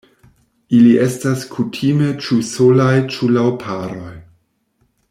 Ili estas kutime ĉu solaj ĉu laŭ paroj.